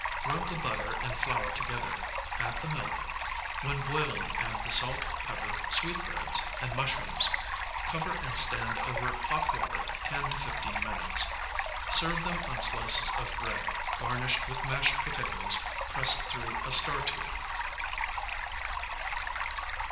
Rub the butter and flour together, add the milk; when boiling add the salt, pepper, sweetbreads and mushrooms; cover and stand over hot water ten to fifteen minutes. Serve them on slices of bread, garnished with mashed potatoes pressed through a star tube.